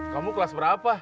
kamu kelas berapa